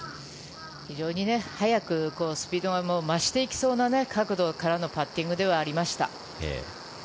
非常に速くスピードが増していきそうな角度からのパッティングではありました。